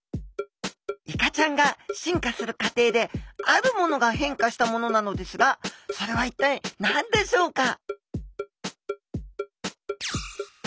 イカちゃんが進化する過程であるものが変化したものなのですがそれは一体何でしょうか？